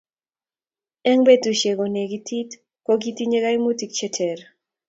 Eng betusiek konekitit kokitinye kaimutik che terter